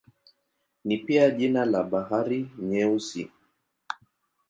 Ni pia jina la Bahari Nyeusi.